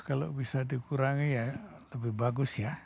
kalau bisa dikurangi ya lebih bagus ya